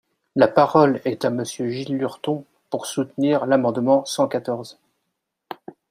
La parole est à Monsieur Gilles Lurton, pour soutenir l’amendement numéro cent quatorze.